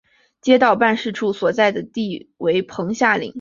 街道办事处所在地为棚下岭。